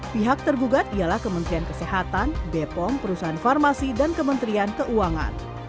pihak tergugat ialah kementerian kesehatan bepom perusahaan farmasi dan kementerian keuangan